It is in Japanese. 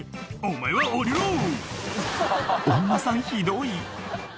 「お馬さんひどい」